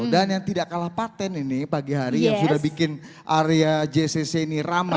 dan yang tidak kalah patent ini pagi hari yang sudah bikin area jcc ini ramai